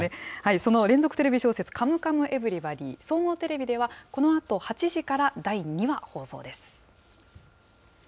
その連続テレビ小説カムカムエヴリバディ、このあと８時から第２話、放送です。